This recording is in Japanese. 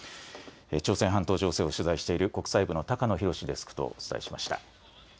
朝鮮半島情勢を取材している国際部の高野洋デスクとお伝えしました。